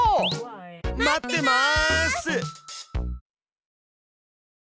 待ってます！